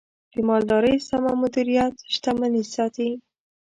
د مالدارۍ سمه مدیریت، شتمني ساتي.